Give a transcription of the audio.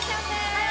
はい！